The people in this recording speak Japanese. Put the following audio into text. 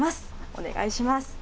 お願いします。